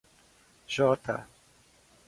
J